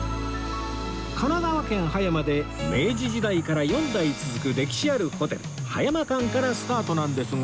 神奈川県葉山で明治時代から４代続く歴史あるホテル葉山館からスタートなんですが